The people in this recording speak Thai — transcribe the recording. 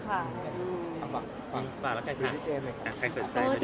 ฝากฝากฝากแล้วใครค่ะใครสนใจใครสนใจ